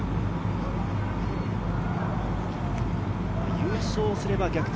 優勝すれば逆転